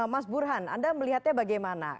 mas burhan anda melihatnya bagaimana